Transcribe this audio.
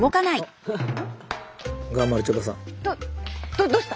どどうした？